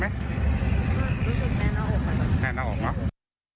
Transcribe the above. ไม่ได้ไม่ได้แม่น้ออบมาเลย